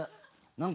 何！？